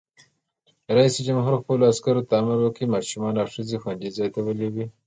رئیس جمهور خپلو عسکرو ته امر وکړ؛ ماشومان او ښځې خوندي ځای ته ولېلوئ!